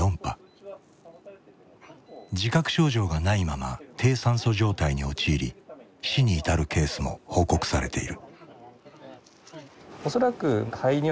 自覚症状がないまま低酸素状態に陥り死に至るケースも報告されている。